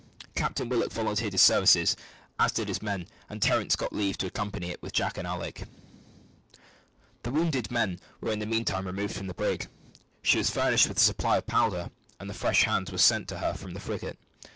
Captain Willock volunteered his services, as did his men, and Terence got leave to accompany it with Jack and Alick. The wounded men were in the meantime removed from the brig; she was furnished with a supply of powder, and fresh hands were sent to her from the frigate.